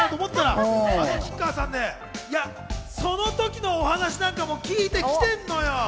その時のお話なんかも聞いてきてんのよ。